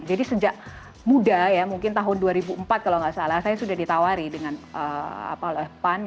jadi sejak muda ya mungkin tahun dua ribu empat kalau tidak salah saya sudah ditawari dengan pan